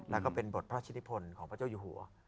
แล้วก็เป็นบทพระราชนิพลของพระเจ้าอยู่หัว